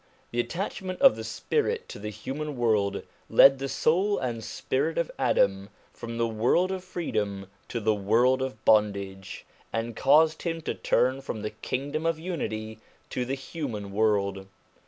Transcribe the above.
This attachment of the spirit to the human world led the soul and spirit of Adam from the world of freedom to the world of bondage, and caused him to turn from the Kingdom of Unity to the human world.